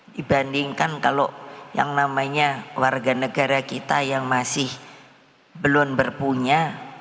dibandingkan kalau yang namanya warga negara kita yang masih belum berpunya